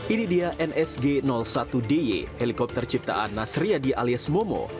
ini dia nsg satu dy helikopter ciptaan nasriyadi alias momo